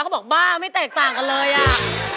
บอกบ้าไม่แตกต่างกันเลยอ่ะ